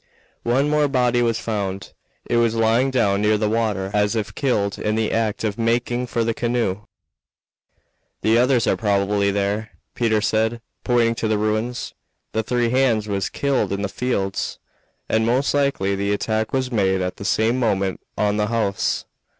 One more body was found it was lying down near the water as if killed in the act of making for the canoe. "The others are probably there," Peter said, pointing to the ruins. "The three hands was killed in the fields, and most likely the attack was made at the same moment on the house.